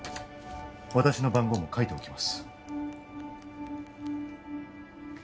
私の番号も書いておきます